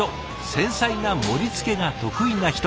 繊細な盛りつけが得意な人。